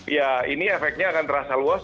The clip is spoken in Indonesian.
ya ini efeknya akan terasa luas